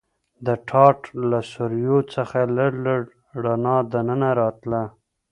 د ټاټ له سوریو څخه لږ لږ رڼا دننه راتله.